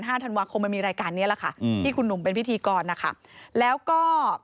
ธันวาคมมันมีรายการเนี้ยแหละค่ะอืมที่คุณหนุ่มเป็นพิธีกรนะคะแล้วก็